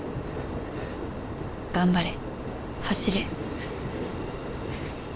頑張れ走れ